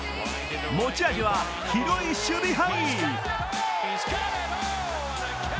持ち味は広い守備範囲。